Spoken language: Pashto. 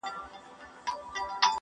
خو ذهنونه زخمي پاتې وي ډېر